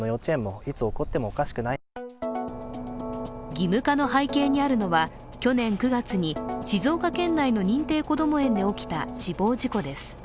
義務化の背景にあるのは去年９月に静岡県内の認定こども園で起きた死亡事故です。